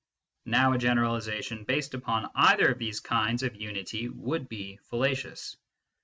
Now a generalisation based upon either of these kinds of unity would be fallacious.